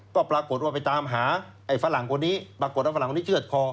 ก็ปรากฏว่าไปตามหาไอ้ฝรั่งคนนี้ปรากฏว่าฝรั่งคนนี้เชื่อดคอ